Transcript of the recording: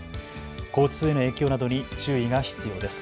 交通への影響などに注意が必要です。